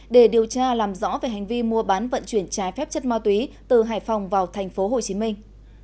để điều tra làm rõ về hành vi mua bán vận chuyển trái phép chất ma túy từ hải phòng vào thành phố hồ chí minh